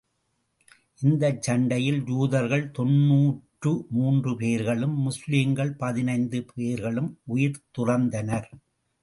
இந்தச் சண்டையில் யூதர்கள் தொண்ணூற்று மூன்று பேர்களும், முஸ்லிம்கள் பதினைந்து பேர்களும் உயிர் துறந்தனர்.